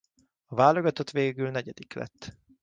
A válogatott végül negyedik lett.